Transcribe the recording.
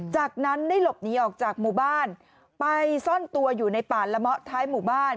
จากนั้นได้หลบหนีออกจากหมู่บ้านไปซ่อนตัวอยู่ในป่าละเมาะท้ายหมู่บ้าน